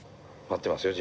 待ってますよ